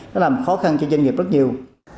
nó làm khó khăn cho doanh nghiệp rất nhiều